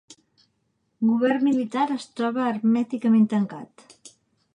Govern militar es troba hermèticament tancat.